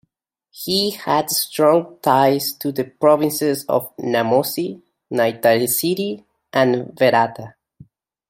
He had strong ties to the Provinces of Namosi, Naitasiri, and Verata.